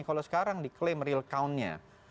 kalau sekarang diklaim real count nya